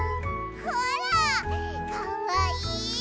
ほらかわいい！